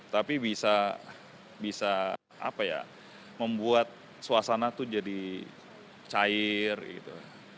tapi bisa apa ya membuat suasana tuh jadi cair gitu